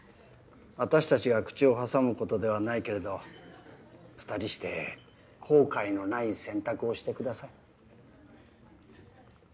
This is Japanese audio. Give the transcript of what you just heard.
私たちが口を挟むことではないけれど二人して後悔のない選択をしてください。